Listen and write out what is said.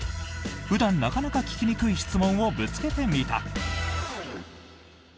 普段なかなか聞きにくい質問をぶつけてみた。